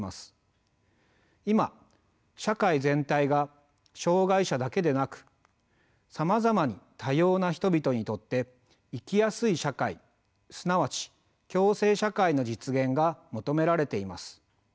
今社会全体が障害者だけでなくさまざまに多様な人々にとって生きやすい社会すなわち共生社会の実現が求められています。